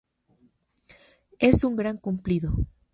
Es un gran cumplido.